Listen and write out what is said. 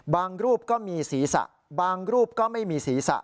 รูปก็มีศีรษะบางรูปก็ไม่มีศีรษะ